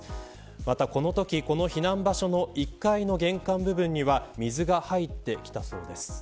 またこのときこの避難場所の１階の玄関部分には水が入ってきたそうです。